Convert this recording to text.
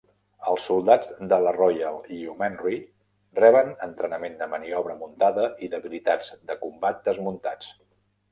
Els soldats de la Royal Yeomanry reben entrenament de maniobra muntada i d'habilitats de combat desmuntats.